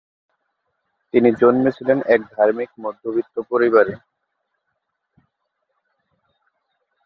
তিনি জন্মেছিলেন এক ধার্মিক মধ্যবিত্ত পরিবারে।